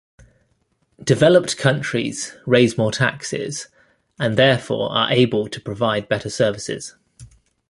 Developed countries raise more taxes and therefore are able to provide better services.